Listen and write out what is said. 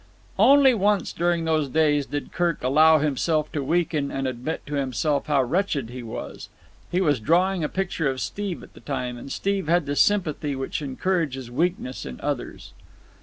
Only once during those days did Kirk allow himself to weaken and admit to himself how wretched he was. He was drawing a picture of Steve at the time, and Steve had the sympathy which encourages weakness in others.